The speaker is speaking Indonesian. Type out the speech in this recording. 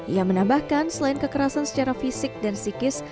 ia menambahkan selain kekerasan secara fisik dan psikis